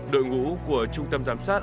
đội ngũ của trung tâm giám sát an toàn thông tin